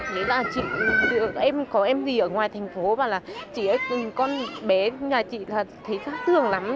thế là chị có em gì ở ngoài thành phố bảo là chị ơi con bé nhà chị là thấy khác thường lắm